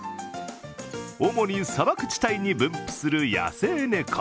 主に砂漠地帯に分布する野生猫。